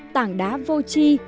tảng đá vô chi